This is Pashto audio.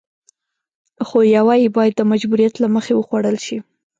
خو يوه يې بايد د مجبوريت له مخې وخوړل شي.